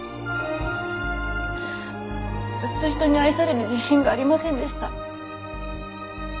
ずっと人に愛される自信がありませんでした。